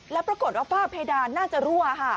แล้วปรากฏว่าฝ้าเพดานน่าจะรั่ว